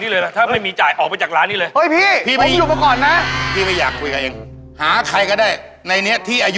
นี่พี่หนาหรอออกไปเถอะ